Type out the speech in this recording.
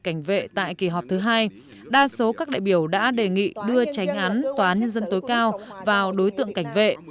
cảnh vệ tại kỳ họp thứ hai đa số các đại biểu đã đề nghị đưa tránh án tòa án nhân dân tối cao vào đối tượng cảnh vệ